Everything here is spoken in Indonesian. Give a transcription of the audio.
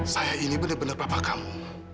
saya ini bener bener papa kamu